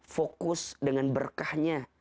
fokus dengan berkahnya